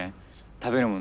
食べるもの